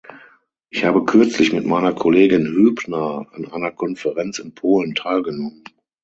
Ich habe kürzlich mit meiner Kollegin Hübner an einer Konferenz in Polen teilgenommen.